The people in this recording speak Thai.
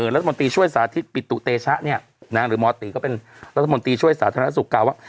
รัฐมนตรีช่วยศาสตร์ที่ปิตุเตชะเนี่ยนางหรือม้อตรีก็เป็นรัฐมนตรีช่วยศาสตร์ธนาศุกร์กล่าวว่า